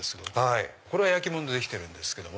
これは焼き物でできてるんですけど。